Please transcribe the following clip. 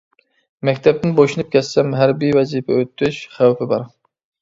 مەكتەپتىن بوشىنىپ كەتسەم، ھەربىي ۋەزىپە ئۆتۈش خەۋپى بار.